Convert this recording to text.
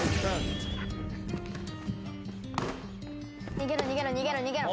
逃げろ逃げろ逃げろ逃げろ。